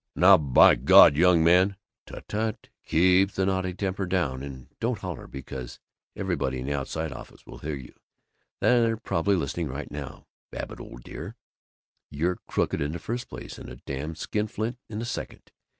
"Now, by God, young man " "Tut, tut! Keep the naughty temper down, and don't holler, because everybody in the outside office will hear you. They're probably listening right now. Babbitt, old dear, you're crooked in the first place and a damn skinflint in the second.